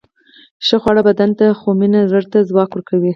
ښه خواړه بدن ته، خو مینه زړه ته ځواک ورکوي.